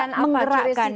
ternyata menggerakkan gitu